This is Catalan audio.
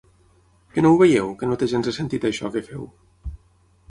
Que no ho veieu, que no té gens de sentit això que feu?